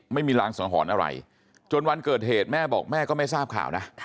ไม่มีรางสังหรณ์อะไรจนวันเกิดเหตุแม่บอกแม่ก็ไม่ทราบข่าวนะ